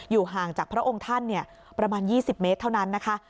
ห่างจากพระองค์ท่านประมาณ๒๐เมตรเท่านั้นนะคะ